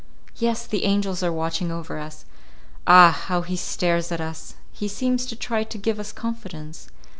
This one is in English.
Yes, the angels are watching over us! Ah! how he stares at us! He seems to try to give us confidence.